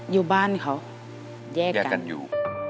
อยู่บ้านเขาแยกกันอยู่